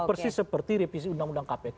persis seperti revisi undang undang kpk